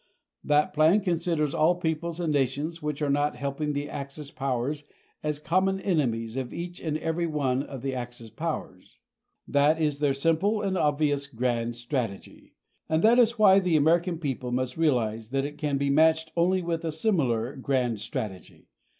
That plan considers all peoples and nations which are not helping the Axis powers as common enemies of each and every one of the Axis powers. That is their simple and obvious grand strategy. And that is why the American people must realize that it can be matched only with similar grand strategy.